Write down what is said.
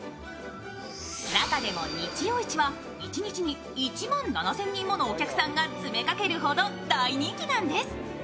中でも日曜市は一日に１万７０００人ものお客さんが詰めかけるほど大人気なんです。